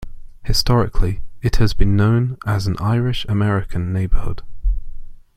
Historically, it has been known as an Irish American neighborhood.